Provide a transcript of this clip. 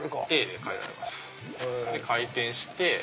で回転して。